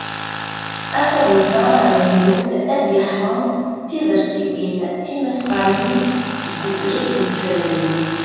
Asaḍuf-a amaynut ad yeḥrem tidersiwin timasɣanin seg uzref n tefranin.